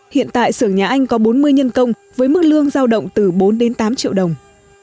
hiện tại xưởng nhà anh có bốn mươi nhân công với mức lương giao động từ bốn đến tám triệu đồng